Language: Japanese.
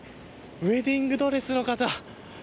ウエディングドレスの方。